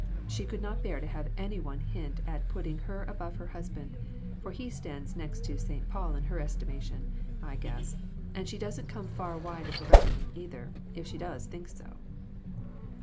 She could not bear to have any one hint at putting her above her husband, for he stands next to St. Paul in her estimation, I guess, and she doesn't come far wide of her reckoning, either, if she does think so."